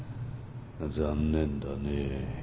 残念だね。